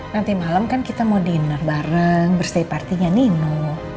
nanti malam kan kita mau dinner bareng berstay party nya nino